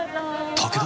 武田？